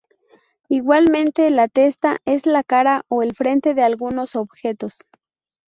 Igualmente, la testa es la cara o el frente de algunos objetos.